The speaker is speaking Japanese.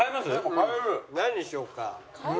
何にしようか。